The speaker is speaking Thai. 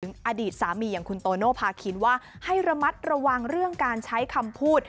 อดีตสามีอย่างคุณโตโนภาคินว่าให้ระมัดระวังเรื่องการใช้คำพูด